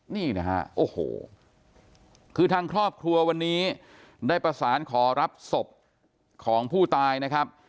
นี่นะฮะโอ้โหคือทางครอบครัววันนี้ได้ประสานขอรับศพของผู้ตายนะครับ